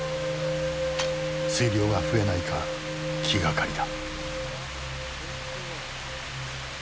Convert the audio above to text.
水量が増えないか気がかりだ。